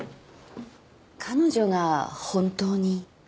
彼女が本当に？